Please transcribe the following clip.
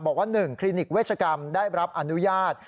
บอกว่า๑คลินิกเวชกรรมได้รับอนุญาต